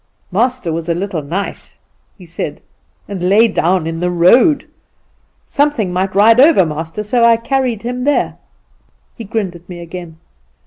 'Master was a little nice,' he said, 'and lay down in the road. Something might ride over master, so I carried him there.' He grinned at me again.